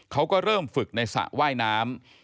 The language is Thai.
เขาก็เริ่มฝึกในสระว่ายน้ำ